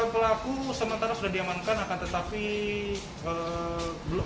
pelaku sementara sudah diamankan akan terjadi lakalan